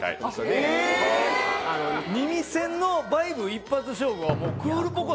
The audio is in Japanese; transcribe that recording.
耳栓のバイブ一発勝負はクールポコ。